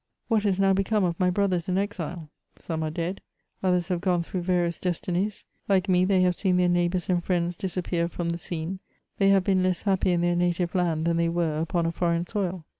What is now become of my brothers in exile ? Some are desui ; others have gone through various destinies ; like me they have seen their neighbours and friends disappear from the scene ; they have been less happy in their native land than they were upon a toreign soil.